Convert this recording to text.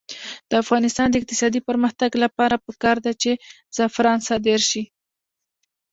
د افغانستان د اقتصادي پرمختګ لپاره پکار ده چې زعفران صادر شي.